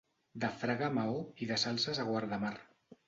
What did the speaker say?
De Fraga a Maó i de Salses a Guardamar.